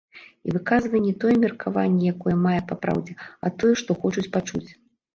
І выказвае не тое меркаванне, якое мае папраўдзе, а тое, што хочуць пачуць.